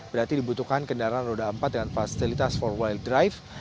berarti dibutuhkan kendaraan roda empat dengan fasilitas for will drive